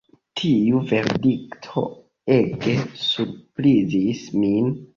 Tiu verdikto ege surprizis min.